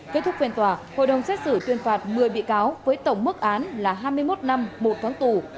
kết thúc phiên tòa hội đồng xét xử tuyên phạt một mươi bị cáo với tổng mức án là hai mươi một năm một tháng tù